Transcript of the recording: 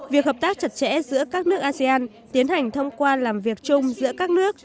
việc hợp tác chặt chẽ giữa các nước asean tiến hành thông qua làm việc chung giữa các nước